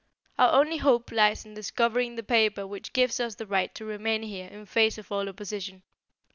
Our only hope lies in discovering the paper which gives us the right to remain here in face of all opposition.